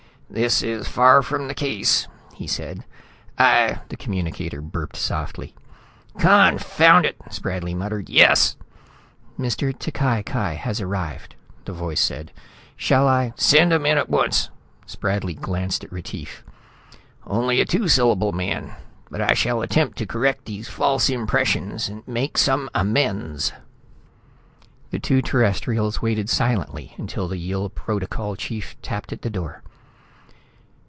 "This is far from the case," he said. "I " The communicator burped softly. "Confound it!" Spradley muttered. "Yes?" "Mr. T'Cai Cai has arrived," the voice said. "Shall I " "Send him in at once." Spradley glanced at Retief. "Only a two syllable man, but I shall attempt to correct these false impressions, make some amends...." The two Terrestrials waited silently until the Yill Protocol chief tapped at the door.